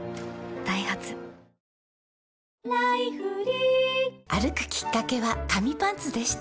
ダイハツ「ライフリー」歩くきっかけは紙パンツでした